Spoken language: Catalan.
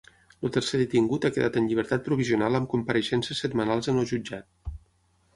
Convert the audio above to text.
El tercer detingut ha quedat en llibertat provisional amb compareixences setmanals en el jutjat.